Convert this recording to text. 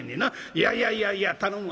いやいやいやいや頼む。